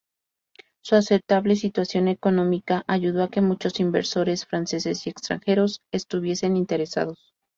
Su aceptable situación económica ayudó a que muchos inversores, franceses y extranjeros, estuviesen interesados.